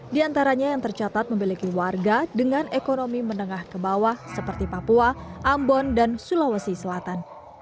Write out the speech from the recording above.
di antaranya yang tercatat memiliki warga dengan ekonomi menengah ke bawah seperti papua ambon dan sulawesi selatan